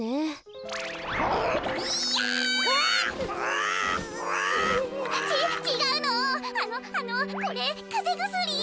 あのあのこれかぜぐすり。